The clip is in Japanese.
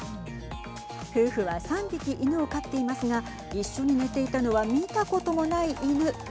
夫婦は３匹、犬を飼っていますが一緒に寝ていたのは見たこともない犬。